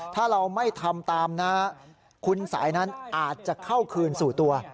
ถ้าเราไม่ทำตามนะคุณสายนั้นอาจจะเข้าคืนสู่ตัว